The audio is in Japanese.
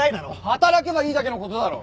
働けばいいだけのことだろ。